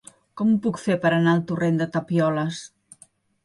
Com ho puc fer per anar al torrent de Tapioles?